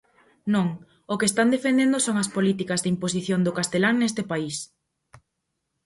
Non, o que están defendendo son as políticas de imposición do castelán neste país.